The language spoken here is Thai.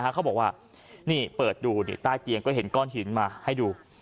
เขาบอกว่านี่เปิดดูใต้เตียงก็เห็นก้อนหินมาให้ดู